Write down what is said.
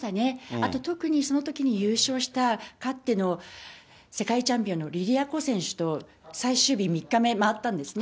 あと特に、そのときに優勝したかつての世界チャンピオンの選手と、最終日３日目回ったんですよね。